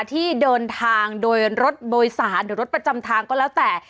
ที่เดินทางโดยรถโดยสารหรือรถประจำทางก็แล้วแต่